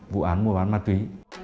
vụ án mua bán ma túy